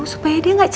supaya dia gak cacau